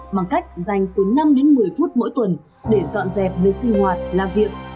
có khách dành từ năm đến một mươi phút mỗi tuần để dọn dẹp nơi sinh hoạt làm việc